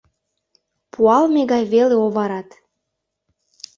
Пуалме гай веле оварат...